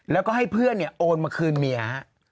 แล้วก็ให้เพื่อนเนี่ยโอนมาคืนเมีย